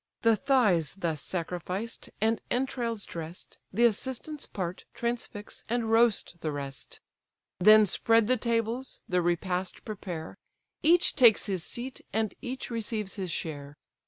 The thighs thus sacrificed, and entrails dress'd The assistants part, transfix, and roast the rest; Then spread the tables, the repast prepare, Each takes his seat, and each receives his share.